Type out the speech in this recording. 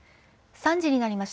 ３時になりました。